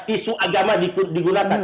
isu agama digunakan